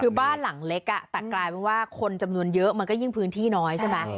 คือบ้านหลังเล็กแต่กลายเป็นว่าคนจำนวนเยอะมันก็ยิ่งพื้นที่น้อยใช่ไหม